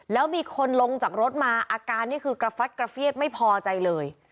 แล้วมีคนลงจากรถมาอาการนี่คือกระฟัดกระเฟียดไม่พอใจเลย